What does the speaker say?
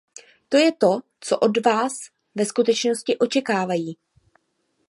To je to, co od nás ve skutečnosti očekávají.